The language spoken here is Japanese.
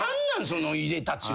そのいでたちは。